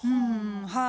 はい。